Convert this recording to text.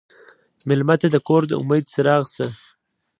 مېلمه ته د کور د امید څراغ شه.